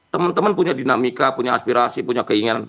teman teman punya dinamika punya aspirasi punya keinginan